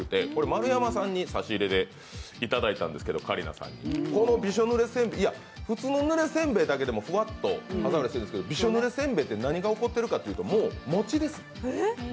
丸山桂里奈さんに差し入れでいただいたんですけど、このびしょぬれせんべい普通のぬれせんべいだけでもべしょっとしてるんですけどびしょぬれせんべいって何が起こっているかというともう、餅です。